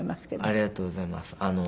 ありがとうございます。